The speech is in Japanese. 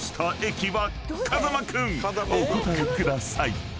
［風間君お答えください］